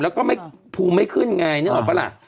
แล้วก็ไม่ภูมิไม่ขึ้นไงนึกออกปะล่ะ